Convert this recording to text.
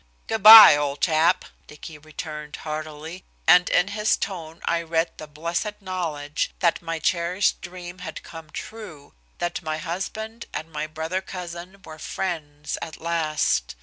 "Good by, old chap," Dicky returned heartily, and in his tone I read the blessed knowledge that my cherished dream had come true, that my husband and my brother cousin were friends at last.